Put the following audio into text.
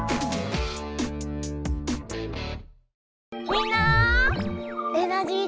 みんなエナジー